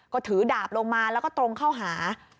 ก็ถือดาบลงมาแล้วก็ตรงเข้าหา